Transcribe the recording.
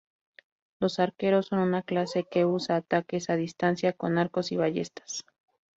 Los Arqueros son una clase que usa ataques a distancia con arcos y ballestas.